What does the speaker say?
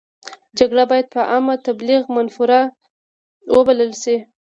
جګړه باید په عامه تبلیغ منفوره وبلل شي.